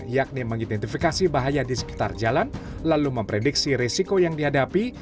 yakni mengidentifikasi bahaya di sekitar jalan lalu memprediksi risiko yang dihadapi